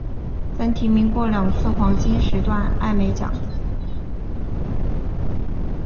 曾提名过两次黄金时段艾美奖。